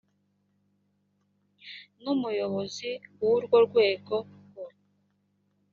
n umuyobozi w urwo rwego bwo